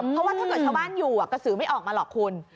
เพราะว่าถ้าเกิดชาวบ้านอยู่กระสือไม่ออกมาหรอกคุณ